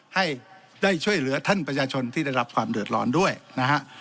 ให้ได้ช่วยเหลือท่านประชาชนที่ได้รับความเดือดร้อนด้วยนะฮะ